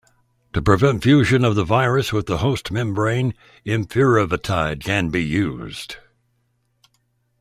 To prevent fusion of the virus with the host membrane, enfuvirtide can be used.